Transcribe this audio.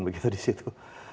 begitu di situ